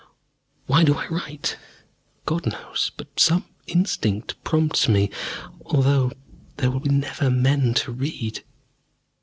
Why do I write? God knows, but some instinct prompts me, although there will never be men to read.